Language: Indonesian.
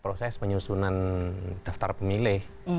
proses penyusunan daftar pemilih